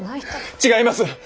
違います！